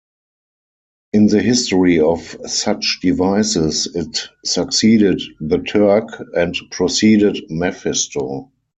In the history of such devices, it succeeded "The Turk" and preceded "Mephisto".